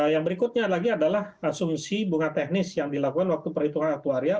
yang berikutnya lagi adalah asumsi bunga teknis yang dilakukan waktu perhitungan aktuaria